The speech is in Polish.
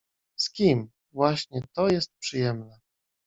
Z kim? Właśnie to jest przyjemne.